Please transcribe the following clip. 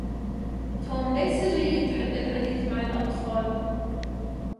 توم ليس جيد للحديث مع الاطفال